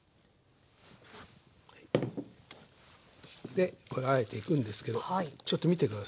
でこれをあえていくんですけどちょっと見て下さい。